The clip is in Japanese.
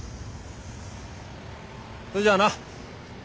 それじゃあな。